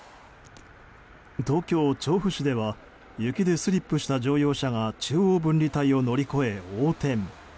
東京・調布市では雪でスリップした乗用車が中央分離帯を乗り越え横転。